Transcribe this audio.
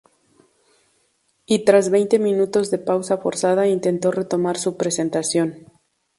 Y tras veinte minutos de pausa forzada intentó retomar su presentación.